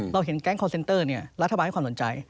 เราเห็นแก๊งคอนเซนเตอร์นี่ราธบาลให้ความสนใจ